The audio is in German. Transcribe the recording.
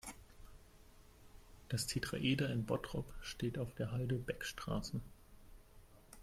Das Tetraeder in Bottrop steht auf der Halde Beckstraße.